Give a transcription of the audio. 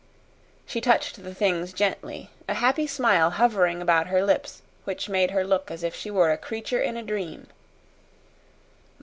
She touched the things gently, a happy smile hovering about her lips which made her look as if she were a creature in a dream.